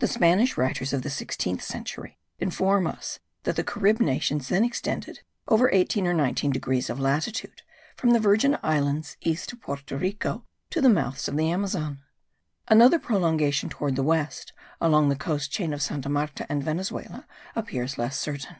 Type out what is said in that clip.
The Spanish writers of the sixteenth century inform us that the Carib nations then extended over eighteen or nineteen degrees of latitude, from the Virgin Islands east of Porto Rico, to the mouths of the Amazon. Another prolongation toward the west, along the coast chain of Santa Marta and Venezuela, appears less certain.